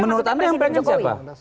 menurut anda yang pengen siapa